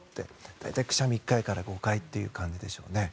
大体、くしゃみ１回から５回という感じですね。